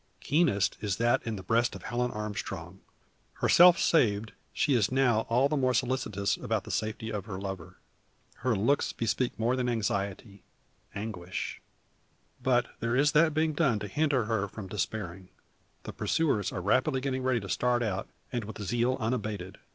Keenest is that in the breast of Helen Armstrong. Herself saved, she is now all the more solicitous about the safety of her lover. Her looks bespeak more than anxiety anguish. But there is that being done to hinder her from despairing. The pursuers are rapidly getting ready to start out, and with zeal unabated.